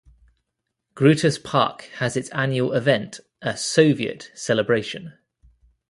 Grutas Park has its annual event - a "Soviet" celebration.